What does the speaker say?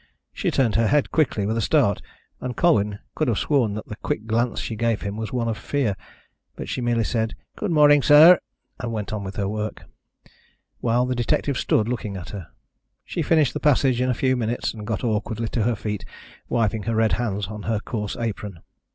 She turned her head quickly, with a start, and Colwyn could have sworn that the quick glance she gave him was one of fear. But she merely said, "Good morning, sir," and went on with her work, while the detective stood looking at her. She finished the passage in a few minutes and got awkwardly to her feet, wiping her red hands on her coarse apron.